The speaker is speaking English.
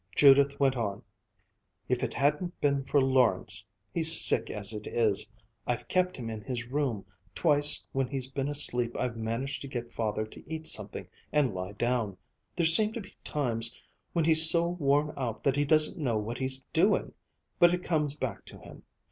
Judith went on: "If it hadn't been for Lawrence he's sick as it is. I've kept him in his room twice when he's been asleep I've managed to get Father to eat something and lie down there seem to be times when he's so worn out that he doesn't know what he's doing. But it comes back to him.